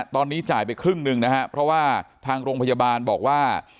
ตอนนี้จ่ายไปครึ่งหนึ่งนะฮะเพราะว่าทางโรงพยาบาลบอกว่า